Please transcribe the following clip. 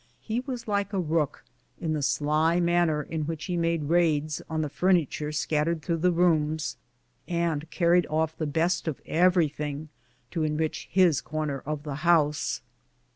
lie was like a rook, in the sly manner in which he made raids on the furniture scattered through the rooms, and carried off the best of everything to enrich his corner of tlie house.